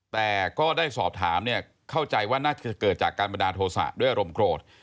แต่ก็ได้สอบถามเนี่ยเข้าใจว่าน่าจะเกิดจากการบันดาลโทษะด้วยอารมณ์โกรธ